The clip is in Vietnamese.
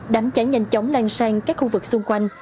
đám cháy nhanh chóng lan sang các khu vực xung quanh